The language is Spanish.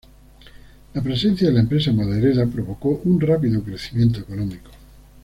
La presencia de la empresa maderera provocó un rápido crecimiento económico.